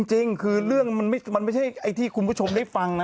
จริงคือเรื่องมันไม่ใช่ไอ้ที่คุณผู้ชมได้ฟังนะ